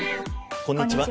こんにちは。